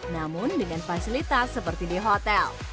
namun dengan fasilitas seperti di hotel